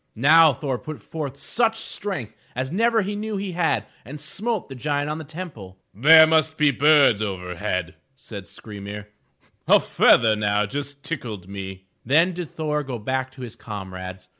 *' Now Thor put forth such strength as never he knew he had, and smote the giant on the temple. * There must be birds over head, said Skry 'mir. A feather just now tickled me. Then did Thor go back to his comrades.